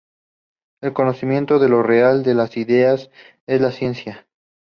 El conocimiento de lo real, de las ideas, es la ciencia.